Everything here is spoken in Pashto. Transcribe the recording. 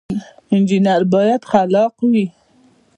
انجنیر باید خلاق وي